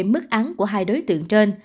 mức án của hai đối tượng trên